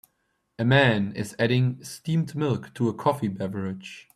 A man is adding steamed milk to a coffee beverage.